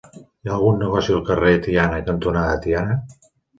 Hi ha algun negoci al carrer Tiana cantonada Tiana?